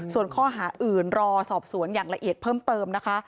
ส่วนข้อหาอื่นรอสอบสวนอย่างละเอียดเพิ่มเติมนะคะ